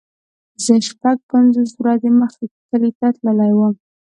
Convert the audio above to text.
زه شپږ پنځوس ورځې مخکې کلی ته تللی وم.